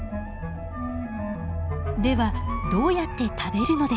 ではどうやって食べるのでしょうか。